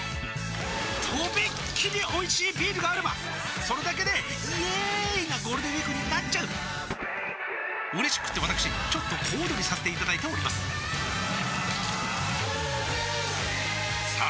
とびっきりおいしいビールがあればそれだけでイエーーーーーイなゴールデンウィークになっちゃううれしくってわたくしちょっと小躍りさせていただいておりますさあ